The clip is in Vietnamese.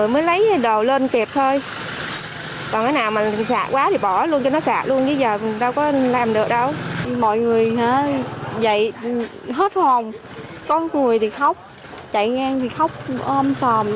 mọi người dậy hết hồn có người thì khóc chạy ngang thì khóc ôm sòm